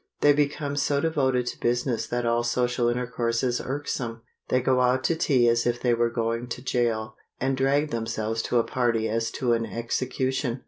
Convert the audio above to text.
They become so devoted to business that all social intercourse is irksome. They go out to tea as if they were going to jail, and drag themselves to a party as to an execution.